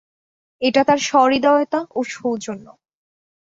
এটা তাঁর সহৃদয়তা ও সৌজন্য।